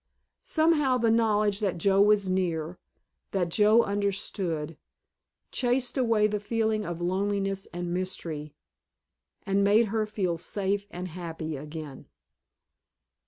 Somehow the knowledge that Joe was near, that Joe understood, chased away the feeling of loneliness and mystery, and made her feel safe and happy again.